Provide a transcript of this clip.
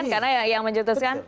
karena yang mencetuskan